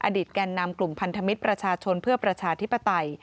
แก่นนำกลุ่มพันธมิตรประชาชนเพื่อประชาธิปไตย